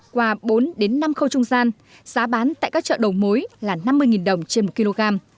qua bốn đến năm khâu trung gian giá bán tại các chợ đầu mối là năm mươi đồng trên một kg